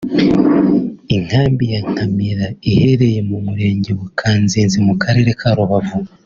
Inkambi ya Nkamira iherereye mu Murenge wa Kanzenze mu karere ka Rubavu